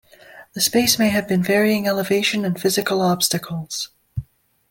The space may have varying elevation and physical obstacles.